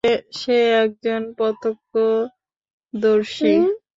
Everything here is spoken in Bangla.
সে একজন প্রত্যক্ষদর্শী।